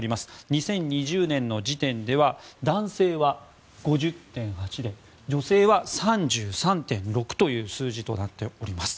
２０２０年の時点では男性は５０．８で女性は３３．６という数字となっております。